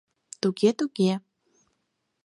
— Туге-туге...